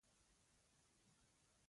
پسه ډېر آرام طبیعت لري.